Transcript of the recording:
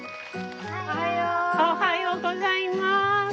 おはよう！おはようございます！